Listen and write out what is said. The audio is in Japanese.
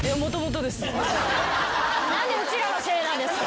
何でうちらのせいなんですか？